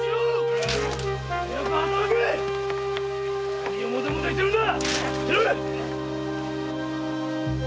何をもたもたしてるんだ！